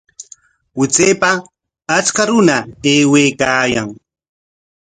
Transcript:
Wichaypa acha runa aywaykaayan